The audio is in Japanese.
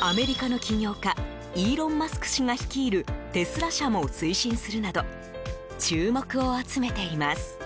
アメリカの起業家イーロン・マスク氏が率いるテスラ社も推進するなど注目を集めています。